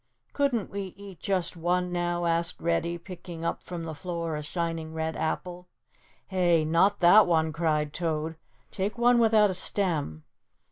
"Couldn't we eat just one now?" asked Reddy, picking up from the floor a shining red apple. "Hey, not that one," cried Toad, "take one without a stem."